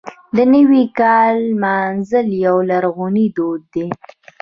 د نوي کال لمانځل یو لرغونی دود دی.